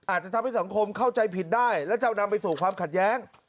อาจจะทำให้สังคมเข้าใจผิดได้และจะนำไปสู่ความขัดแย้ง